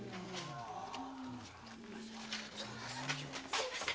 すみません！